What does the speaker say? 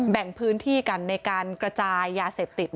แบ่งพื้นที่กันในการกระจายยาเสพติด